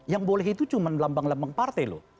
yang boleh itu cuma lambang lambang partai loh